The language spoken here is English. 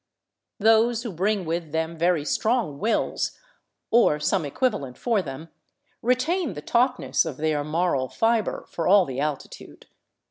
Those who bring with them very strong wills, or some equivalent for them, retain the tautness of their moral fiber, for all the altitude.